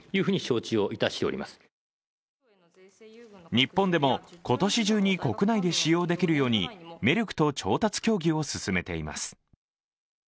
日本でも今年中に国内で使用できるようにメルクと調達協議を進めています。